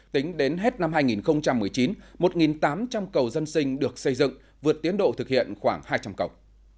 tính đến hết năm hai nghìn một mươi chín một tám trăm linh cầu dân sinh được xây dựng vượt tiến độ thực hiện khoảng hai trăm linh cầu